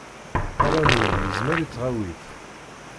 Aramul yezmer i twaɣit.